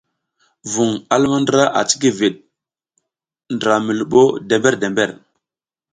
Vuƞ a luma ndra a cikivit ndra mi luɓo dember-dember.